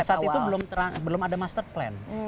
karena pada saat itu belum ada master plan